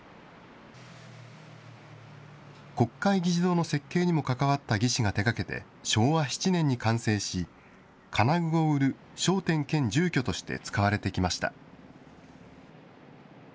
国会議事堂の設計にも関わった技師が手がけて、昭和７年に完成し、金具を売る商店兼住居として使われてきました。